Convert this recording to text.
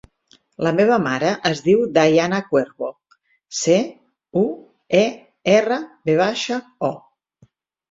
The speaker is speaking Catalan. La meva mare es diu Dayana Cuervo: ce, u, e, erra, ve baixa, o.